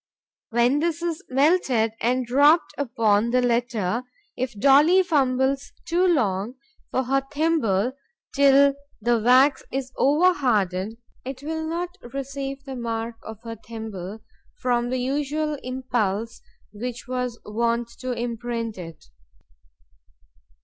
When this is melted and dropped upon the letter, if Dolly fumbles too long for her thimble, till the wax is over hardened, it will not receive the mark of her thimble from the usual impulse which was wont to imprint it.